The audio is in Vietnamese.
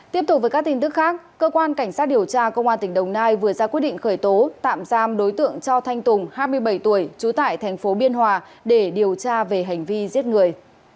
tiếp tục với các tin tức khác cơ quan cảnh sát điều tra công an tỉnh đồng nai vừa ra quyết định khởi tố tạm giam đối tượng cho thanh tùng hai mươi bảy tuổi trú tại thành phố biên hòa để điều tra về hành vi giết người